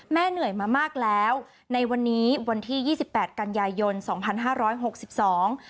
เหนื่อยมามากแล้วในวันนี้วันที่ยี่สิบแปดกันยายนสองพันห้าร้อยหกสิบสอง